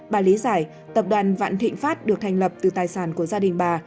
bà lý giải tập đoàn vạn thịnh pháp được thành lập từ tài sản của gia đình bà